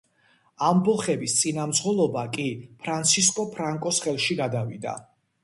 ამბოხების წინამძღოლობა კი ფრანსისკო ფრანკოს ხელში გადავიდა.